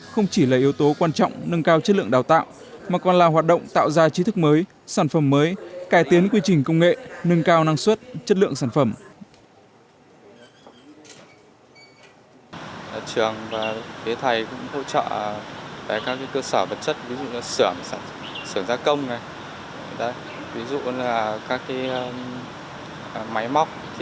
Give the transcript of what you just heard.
không chỉ là yếu tố quan trọng nâng cao chất lượng đào tạo mà còn là hoạt động tạo ra trí thức mới sản phẩm mới cải tiến quy trình công nghệ nâng cao năng suất chất lượng sản phẩm